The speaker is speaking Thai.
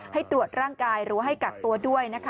ให้ตรวจร่างกายหรือว่าให้กักตัวด้วยนะคะ